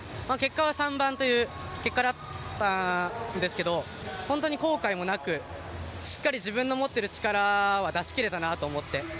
３番という結果だったんですけど本当に後悔もなくしっかり自分の持っている力は出しきれたなと思って。